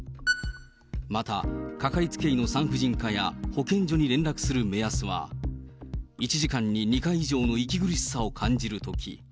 また、かかりつけ医の産婦人科や保健所に連絡する目安は、１時間に２回以上の息苦しさを感じるとき。